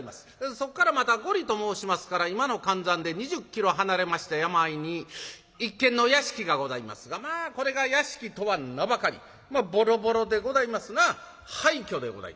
そっからまた５里と申しますから今の換算で２０キロ離れました山あいに一軒の屋敷がございますがまあこれが屋敷とは名ばかりボロボロでございますな廃虚でございます。